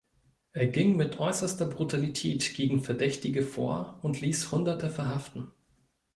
Er ging mit äußerster Brutalität gegen Verdächtige vor und ließ Hunderte verhaften.